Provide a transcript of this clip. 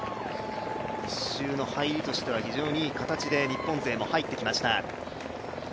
１周の入りとしては、非常にいい形で日本勢も入ってきました。